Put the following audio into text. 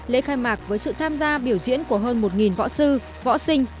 lễ khai mạc với sự tham gia biểu diễn của hơn một võ sư võ sinh